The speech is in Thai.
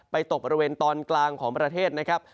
ตกบริเวณตอนกลางของประเทศนะครับ